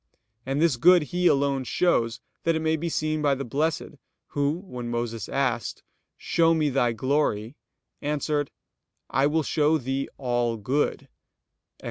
And this good He alone shows, that it may be seen by the blessed, Who, when Moses asked: "Show me Thy glory," answered: "I will show thee all good" (Ex.